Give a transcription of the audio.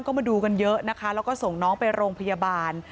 ก็มาดูกันเยอะนะคะแล้วก็ส่งน้องไปโรงพยาบาล